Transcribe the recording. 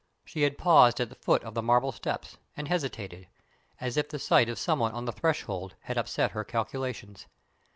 She had paused at the foot of the marble steps, and hesitated, as if the sight of someone on the threshold had upset her calculations.